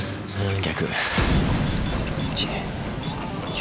逆。